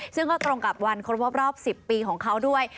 ซึ่งก็ตรงกับวันครบรอบ๑๐ปีของเขาด้วย